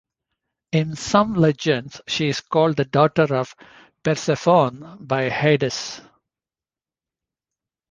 In some legends, she is called the daughter of Persephone by Hades.